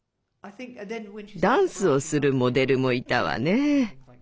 ダンスをするモデルもいたわね。